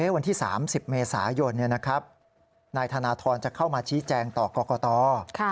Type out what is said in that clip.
วันที่๓๐เมษายนนายธนทรจะเข้ามาชี้แจงต่อกรกต